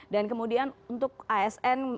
dan kemudian untuk asn